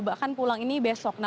bahkan pulang ini besok